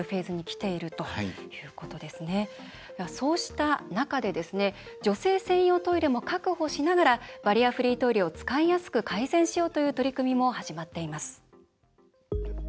そうした中で女性専用トイレも確保しながらバリアフリートイレを使いやすく改善しようという取り組みも始まっています。